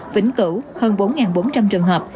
vĩnh cửu hơn bốn bốn trăm linh trường hợp